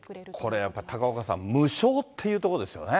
これやっぱり、高岡さん、無償っていうところですよね。